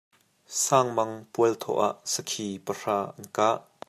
Sangmang pualthawh ah sakhi pahra an kah.